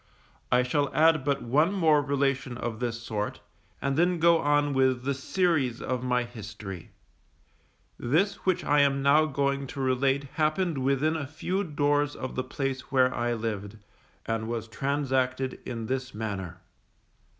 I shall add but one more relation of this sort, and then go on with the series of my history. This which I am now going to relate happened within a few doors of the place where I lived, and was transacted in this manner.